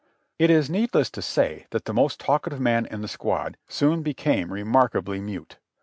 It is needless to say that the most talkative man in the squad soon became remarkably mute.